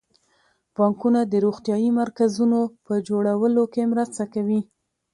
بانکونه د روغتیايي مرکزونو په جوړولو کې مرسته کوي.